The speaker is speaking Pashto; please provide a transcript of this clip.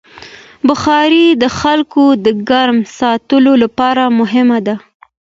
بخاري د خلکو د ګرم ساتلو لپاره مهمه ده.